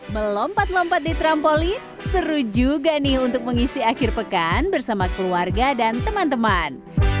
melompat lompat di trampolin seru juga nih untuk mengisi akhir pekan bersama keluarga dan teman teman